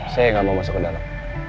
saya nggak mau masuk ke dalam